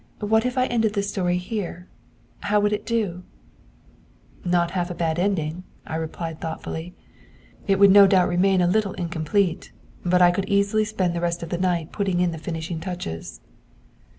What if I ended the story here? How would it do?' 'Not half a bad ending,' I replied thoughtfully. 'It would no doubt remain a little incomplete, but I could easily spend the rest of the night putting in the finishing touches.'